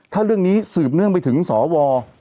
ถ้าเรื่องนี้สืบเนื่องไปถึงสว